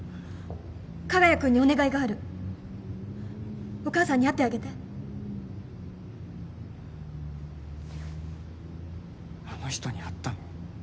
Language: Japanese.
加賀谷君にお願いがあるお母さんに会ってあげてあの人に会ったの？